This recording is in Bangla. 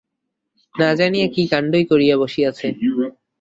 না জানিয়া কি কাণ্ডই করিয়া বসিয়াছে!